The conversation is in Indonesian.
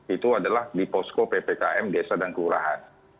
itu adalah di posko ppkm desa dan kelurahan